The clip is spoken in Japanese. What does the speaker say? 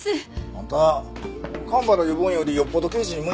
あんた蒲原いうボンよりよっぽど刑事に向いとるな。